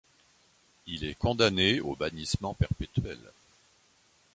Il est condamné au bannissement perpétuel.